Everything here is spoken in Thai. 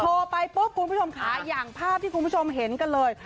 ไปปุ๊บคุณผู้ชมค่ะอย่างภาพที่คุณผู้ชมเห็นกันเลย